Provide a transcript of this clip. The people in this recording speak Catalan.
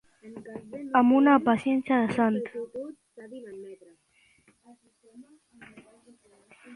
Amb una paciència de sant.